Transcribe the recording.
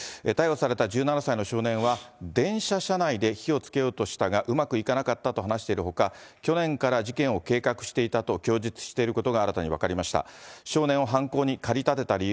逮捕された１７歳の少年は、電車車内で火をつけようとしたがうまくいかなかったと話しているほか、去年から事件を計画していたと供述していることが新たに分かりました。